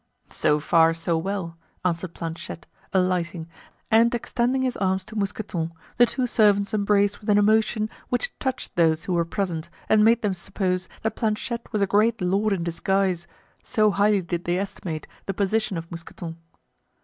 "So far so well," answered Planchet, alighting, and extending his arms to Mousqueton, the two servants embraced with an emotion which touched those who were present and made them suppose that Planchet was a great lord in disguise, so highly did they estimate the position of Mousqueton.